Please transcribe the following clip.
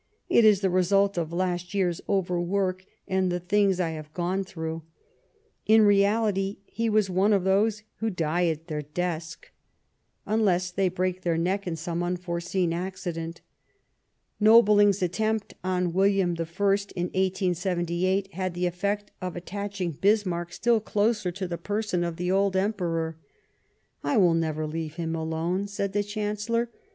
It is the result of last year's overwork and the things I have gone through." In reality he was of those who die at their desk, 214 Last Fights unless they break their neck in some unforeseen accident. Nobiling's attempt on WilHam I in 1878 had the effect of attaching Bismarck still closer to the person of the old Emperor. " I will never leave him alone," said the Chan cellor.